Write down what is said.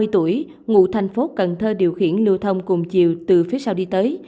ba mươi tuổi ngụ tp hcm điều khiển lưu thông cùng chiều từ phía sau đi tới